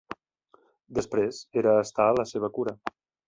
Després, era estar a la seva cura.